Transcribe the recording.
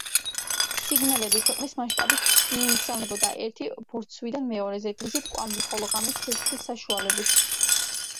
სიგნალები ქვეყნის მასშტაბით იგზავნებოდა ერთი ბორცვიდან მეორეზე, დღისით კვამლის, ხოლო ღამით ცეცხლის საშუალებით.